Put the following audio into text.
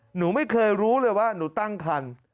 หนูไม่เคยรู้เลยว่าหนูตั้งคัน